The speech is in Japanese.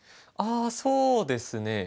ああそうですね。